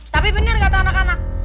tapi benar kata anak anak